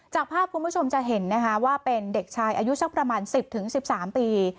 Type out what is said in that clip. จากภาพคุณผู้ชมจะเห็นนะคะว่าเป็นเด็กชายอายุสักประมาณ๑๐๑๓ปี